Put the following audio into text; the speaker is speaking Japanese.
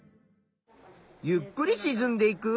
「ゆっくりしずんでいく」？